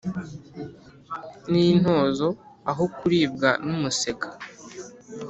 n'intozo aho kuribwa n'umusega